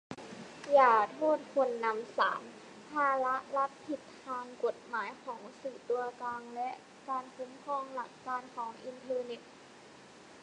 อย่าโทษคนนำสาร : ภาระรับผิดทางกฎหมายของสื่อตัวกลางและการคุ้มครองหลักการของอินเทอร์เน็ต